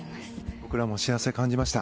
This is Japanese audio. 僕らも幸せを感じました。